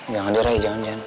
jangan deh rai jangan deh